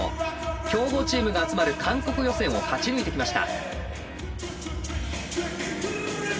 強豪チームが集まる韓国予選を勝ち抜いてきました。